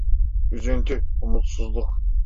Üzüntü, umutsuzluk.